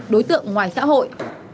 đối tượng ngoài xã hội